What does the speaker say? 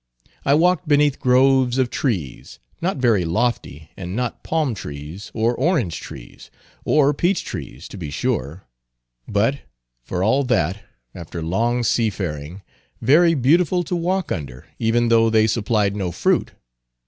I walked beneath groves of trees—not very lofty, and not palm trees, or orange trees, or peach trees, to be sure—but, for all that, after long sea faring, very beautiful to walk under, even though they supplied no fruit.